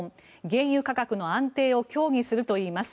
原油価格の安定を協議するといいます。